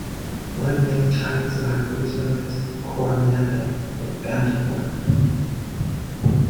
One of many Chinese lacquer was known as "Coromandel" or "bantomwork".